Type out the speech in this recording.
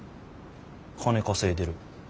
金稼いでる。